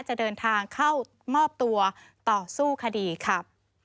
จะเดินทางเข้ามอบตัวต่อสู้คดีค่ะ